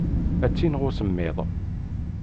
Ad tt-ineɣ usemmiḍ.